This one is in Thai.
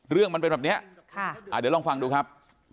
เรื่องมันเป็นแบบนี้เดี๋ยวลองฟังดูครับ